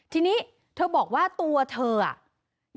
ทีนี้เธอบอกว่าตัวเธออ่ะ